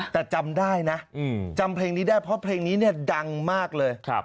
แต่จำได้นะจำเพลงนี้ได้เพราะเพลงนี้เนี่ยดังมากเลย